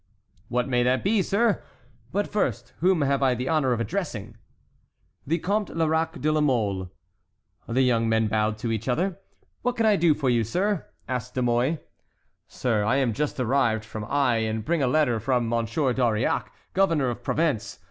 "What may that be, sir,—but first whom have I the honor of addressing?" "The Comte Lerac de la Mole." The young men bowed to each other. "What can I do for you, sir?" asked De Mouy. "Sir, I am just arrived from Aix, and bring a letter from M. d'Auriac, Governor of Provence.